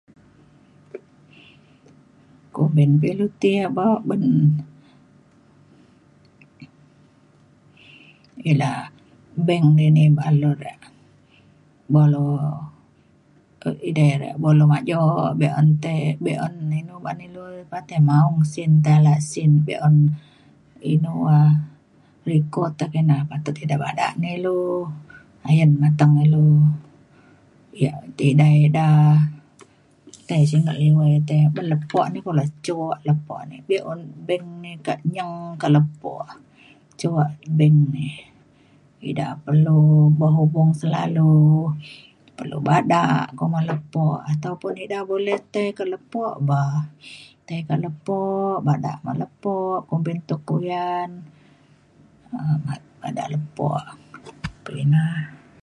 kumbin pa ilu ti ya ban ida bank dini ba’an dulu re buk lu edei re buk lu majo be’un tai be’un inu ba’an ilu re maong sin tai ala sin be’un inu um record kina patut ida bada me ilu ayen mateng ilu yak ti edai ida tai singget liwai tai ban lepo ni jok lepo ni be’un bank kak nyeng kak lepo jok bank ni ida perlu berhubung selalu perlu bada kuma lepo ataupun ida boleh tai ke lepo bah tai kak lepo bada ngan lepo kumbin tuk puyan um bada lepo pa ina